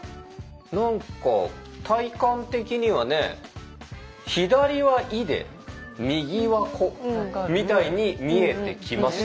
何か体感的にはね左は「い」で右は「こ」みたいに見えてきました。